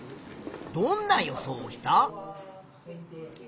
どんな予想をした？